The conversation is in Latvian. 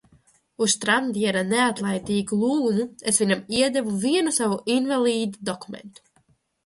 Uz Štramdiera neatlaidīgu lūgumu es viņam iedevu vienu savu invalīda dokumentu.